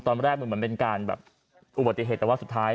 ตอนแรกมันเป็นการอุบัติเหตุ